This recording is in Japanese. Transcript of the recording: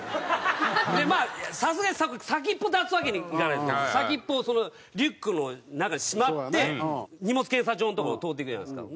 まあさすがに先っぽ出すわけにはいかないですから先っぽをそのリュックの中にしまって荷物検査場の所を通っていくじゃないですか。